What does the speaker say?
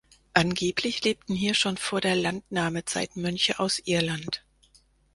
Angeblich lebten hier schon vor der Landnahmezeit Mönche aus Irland.